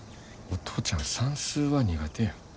お父ちゃん算数は苦手や。